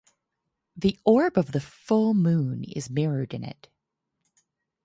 The orb of the full moon is mirrored in it.